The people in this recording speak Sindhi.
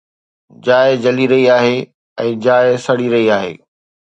جاءِ جلي رهي آهي ۽ جاءِ سڙي رهي آهي